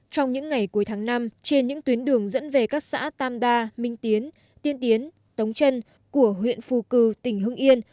trong những ngày cuối tháng năm trên những tuyến đường dẫn về các xã tam đa minh tiến tiên tiến tống trân của huyện phù cử tỉnh hưng yên